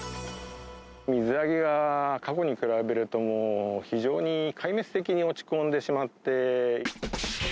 水揚げが過去に比べると、もう非常に壊滅的に落ち込んでしまって。